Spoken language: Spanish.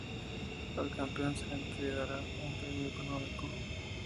Al campeón se le entregará un premio económico.